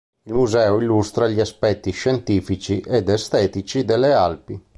Il museo illustra gli aspetti scientifici ed estetici delle Alpi.